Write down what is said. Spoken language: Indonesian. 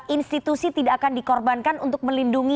institusi tidak akan dikorbankan untuk melindungi